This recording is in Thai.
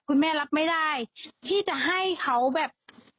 แม่รับไม่ได้ที่จะให้เขาแบบ